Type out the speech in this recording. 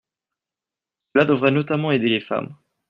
Cela devrait notamment aider les femmes.